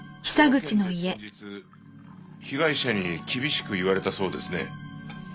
その件で先日被害者に厳しく言われたそうですね。